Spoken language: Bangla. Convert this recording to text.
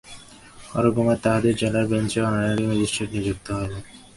হরকুমার তাঁহাদের জেলার বেঞ্চে অনরারি ম্যাজিস্ট্রেট নিযুক্ত হইলেন।